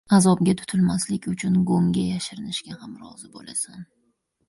• Azobga tutilmaslik uchun go‘ngga yashirinishga ham rozi bo‘lasan.